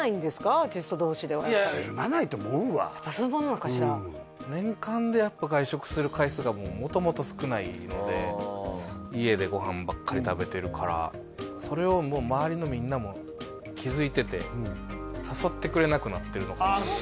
アーティスト同士ではやっぱりつるまないと思うわそういうものなのかしら年間でやっぱ外食する回数が元々少ないので家でご飯ばっかり食べてるからそれをもう周りのみんなも気づいてて誘ってくれなくなってるのかもああ